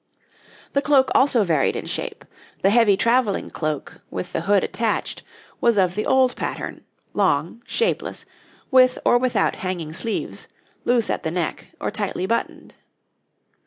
The cloak also varied in shape. The heavy travelling cloak, with the hood attached, was of the old pattern, long, shapeless, with or without hanging sleeves, loose at the neck, or tightly buttoned.